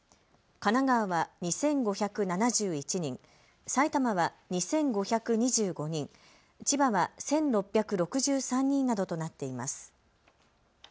神奈川は２５７１人、埼玉は２５２５人、千葉は１６６３人などとなっています。